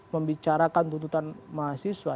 membicarakan tuntutan mahasiswa